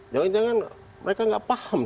jangan jangan mereka nggak paham